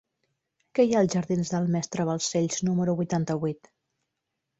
Què hi ha als jardins del Mestre Balcells número vuitanta-vuit?